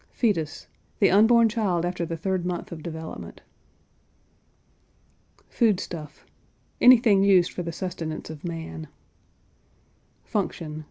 FETUS. The unborn child after the third month of development. FOOD STUFF. Anything used for the sustenance of man. FUNCTION.